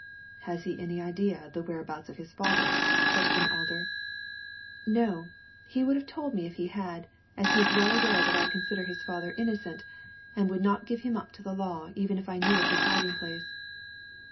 " Has he any idea of the whereabouts of his father ?" questioned Alder. " No ; he would have told me if he had, as he is well aware that I consider his father innocent, and would not give him up to the law even if I knew of his hiding place."